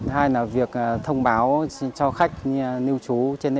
hai là việc thông báo cho khách lưu trú trên hệ thống thì chính xác